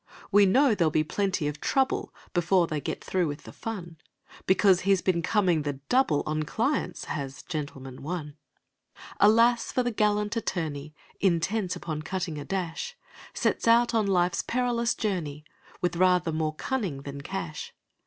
We know there'll be plenty of trouble Before they get through with the fun, Because he's been coming the double On clients, has "Gentleman, One". Alas! for the gallant attorney, Intent upon cutting a dash, Sets out on life's perilous journey With rather more cunning than cash.